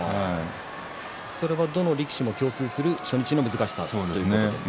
それはどの力士も共通する初日の難しさですね。